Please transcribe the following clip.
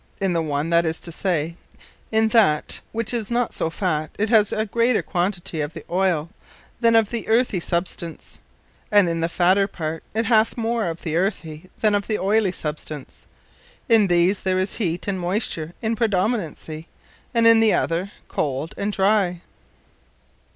In the one, that is to say, in that, which is not so fat, it hath a greater quantity of the Oylie, then of the earthie Substance; and in the fatter part, it hath more of the earthy than of the Oily substance. In these there is Heate and Moysture in predominancy; and in the other, cold and dry.